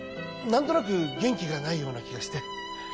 なんとなく元気がないような気がして。